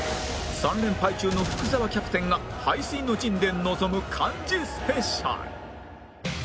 ３連敗中の福澤キャプテンが背水の陣で臨む漢字スペシャル